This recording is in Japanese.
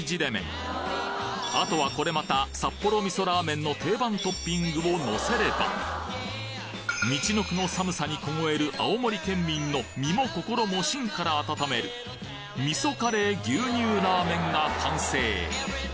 あとはこれまた札幌味噌ラーメンの定番トッピングをのせればみちのくの寒さに凍える青森県民の身を心も芯から温めるが完成